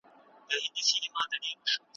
خپل فکر له خپل اوسني حالت څخه لوړ ساتئ.